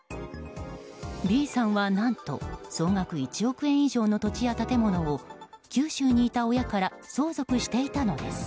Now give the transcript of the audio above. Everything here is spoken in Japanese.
Ｂさんは何と総額１億円以上の土地や建物を九州にいた親から相続していたのです。